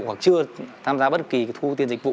hoặc chưa tham gia bất kỳ thu tiền dịch vụ